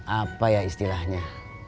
apa ya istilahnya